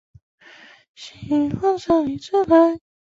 悦来镇是四川省成都市大邑县所辖的一个镇。